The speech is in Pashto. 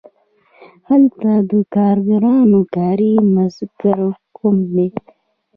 هلته د کارګرانو کاري مزد کم دی